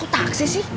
kok taksi sih